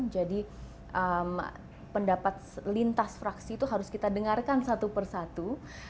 jadi pendapat lintas fraksi itu harus kita dengarkan satu per satu